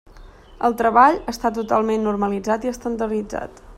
El treball està totalment normalitzat i estandarditzat.